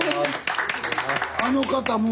あの方も。